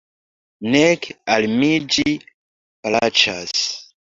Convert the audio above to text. Nek al mi ĝi plaĉas.